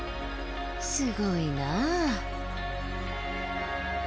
すごいなぁ。